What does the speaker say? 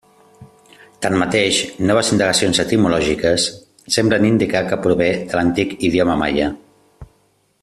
Tanmateix, noves indagacions etimològiques semblen indicar que prové de l'antic idioma maia.